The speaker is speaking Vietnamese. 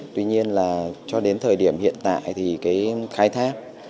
tuy nhiên là cho đến thời điểm hiện tại thì cái khai thác